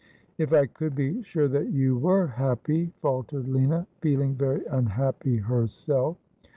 ' If I could be sure that you were happy,' faltered Lina, feeling very unhappy herself.